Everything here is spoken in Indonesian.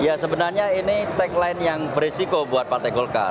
ya sebenarnya ini tagline yang berisiko buat partai golkar